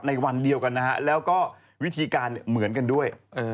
วันเดียวกันนะฮะแล้วก็วิธีการเหมือนกันด้วย